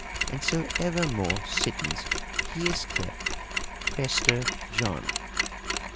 And so evere more sittiens, he is clept Prestre John."